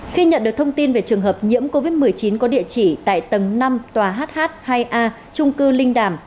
khi nhận được thông tin về trường hợp nhiễm covid một mươi chín có địa chỉ tại tầng năm tòa hh hai a trung cư linh đàm